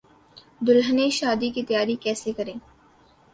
دلہنیں شادی کی تیاری کیسے کریں